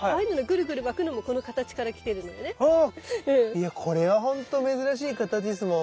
いやこれはほんと珍しい形ですもん。